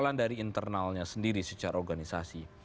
dan juga internalnya sendiri secara organisasi